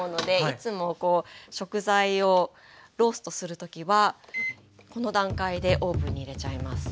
いつも食材をローストする時はこの段階でオーブンに入れちゃいます。